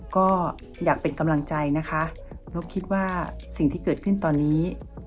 ก็อยากเป็นกำลังใจนะคะเพราะคิดว่าสิ่งที่เกิดขึ้นตอนนี้